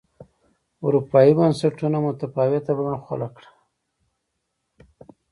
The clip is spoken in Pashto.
اروپايي بنسټونو متفاوته بڼه خپله کړه.